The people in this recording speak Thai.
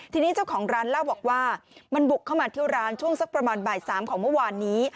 ทีนี้เจ้าของร้านเล่าบอกว่ามันบุกเข้ามาที่ร้านช่วงสักประมาณบ่าย๓ของเมื่อวานนี้